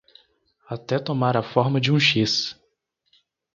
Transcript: até tomar a forma de um X